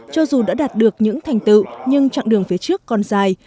cho dù đã đạt được những thành tựu nhưng chặng đường phía trước còn dài